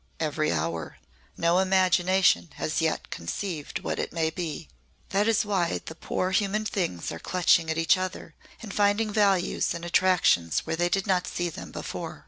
"Every hour. No imagination has yet conceived what it may be." "That is why the poor human things are clutching at each other, and finding values and attractions where they did not see them before.